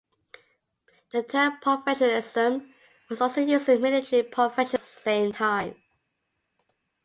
The term professionalism was also used for the military profession around this same time.